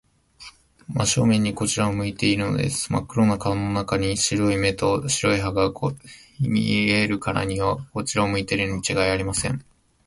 真正面にこちらを向いているのです。まっ黒な顔の中に、白い目と白い歯とが見えるからには、こちらを向いているのにちがいありません。